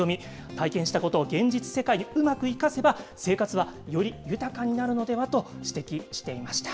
体験したことを現実世界にうまく生かせば、生活はより豊かになるのではと指摘していました。